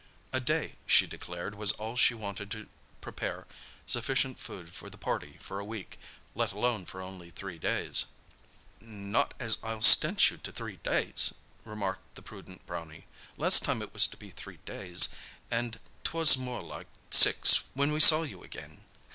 A day, she declared, was all she wanted to prepare sufficient food for the party for a week—let alone for only three days. "Not as I'll stint you to three days," remarked the prudent Brownie. "Last time it was to be three days—an' 'twas more like six when we saw you again.